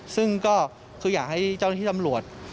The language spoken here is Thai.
ซึ่งก็คืออยากให้เจ้าหน้าที่ตำรวจ